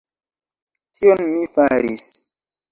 Tion mi faris.